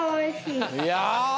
いや！